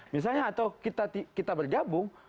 misalnya atau kita bergabung